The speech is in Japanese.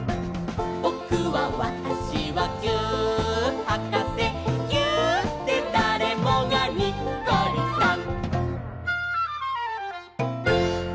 「ぼくはわたしはぎゅーっはかせ」「ぎゅーっでだれもがにっこりさん！」